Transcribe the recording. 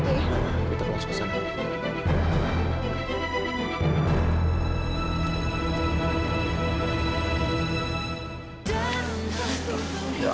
kita langsung kesana